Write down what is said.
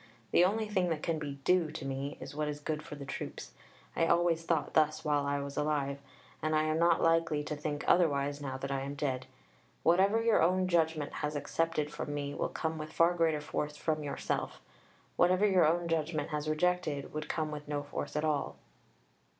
The only thing that can be "due" to me is what is good for the troops. I always thought thus while I was alive. And I am not likely to think otherwise now that I am dead. Whatever your own judgment has accepted from me will come with far greater force from yourself. Whatever your own judgment has rejected would come with no force at all.